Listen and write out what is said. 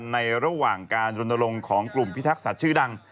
ในระหว่างการรนตรงของกลุ่มพิทักษะชื่อดัง